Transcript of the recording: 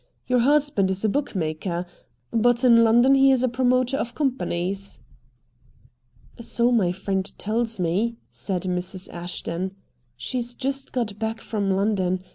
"Your husband is a bookmaker. But in London he is a promoter of companies." "So my friend tells me," said Mrs. Ashton. "She's just got back from London.